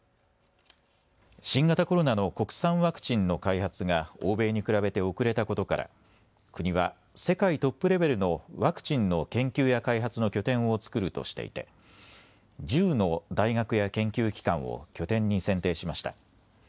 新型コロナの国産ワクチンの開発が欧米に比べて遅れたことから国は世界トップレベルのワクチンの研究や開発の拠点を作るとしていて１０の大学や研究機関を拠点に選定しました。